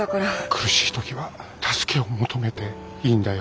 苦しい時は助けを求めていいんだよ。